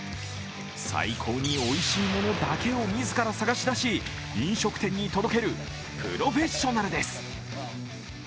最高においしいものだけを自ら探し出し、飲食店に届けるプロフェッショナルです。